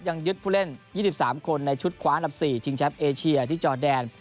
ยังยึดผู้เล่น๒๓คนในชุดคว้าอันดับ๔ชิงแชมป์เอเชียที่จอแดน